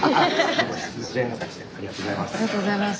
ありがとうございます。